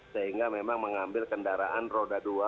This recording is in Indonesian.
sehingga memang mengambil kendaraan roda dua